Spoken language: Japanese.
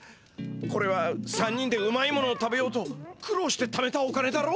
これは３人でうまいものを食べようとくろうしてためたお金だろ！？